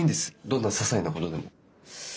どんな些細なことでも。